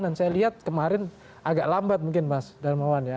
dan saya lihat kemarin agak lambat mungkin mas darmawan ya